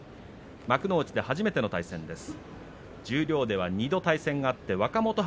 幕内で初めての対戦です。